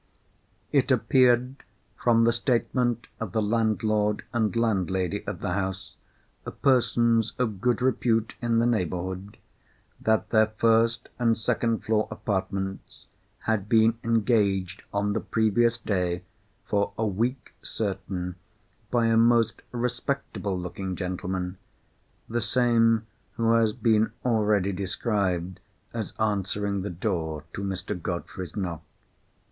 It appeared from the statement of the landlord and landlady of the house (persons of good repute in the neighbourhood), that their first and second floor apartments had been engaged, on the previous day, for a week certain, by a most respectable looking gentleman—the same who has been already described as answering the door to Mr. Godfrey's knock.